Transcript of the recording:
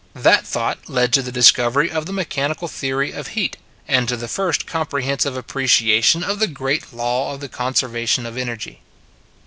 That thought led to the discovery of the me chanical theory of heat, and to the first compre hensive appreciation of the great law of the con servation of energy.